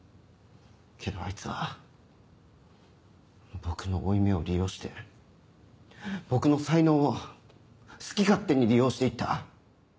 けどあいつは僕の負い目を利用して僕の才能を好き勝手に利用して行った。